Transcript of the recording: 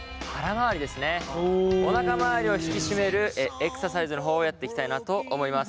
おなかまわりを引き締めるエクササイズの方をやっていきたいなと思います。